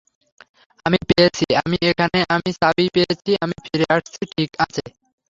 আমি পেয়েছি আমি এখানে আমি চাবি পেয়েছি আমি ফিরে আসছি, ঠিক আছে?